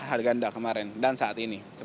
saya harganya kemarin dan saat ini